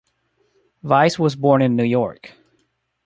Weiss was born in New York.